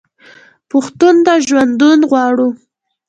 پښتون ته ژوندون غواړو.